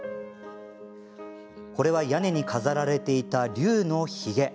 これは、屋根に飾られていた龍のひげ。